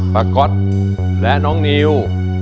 ก๊อตและน้องนิว